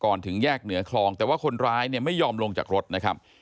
ถึงแยกเหนือคลองแต่ว่าคนร้ายเนี่ยไม่ยอมลงจากรถนะครับ